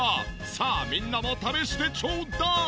さあみんなも試してちょうだい！